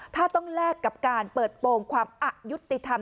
ถ้าต้องแลกกับการเปิดโปรงความอะยุติธรรม